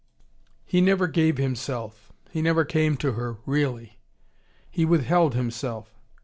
He never gave himself. He never came to her, really. He withheld himself.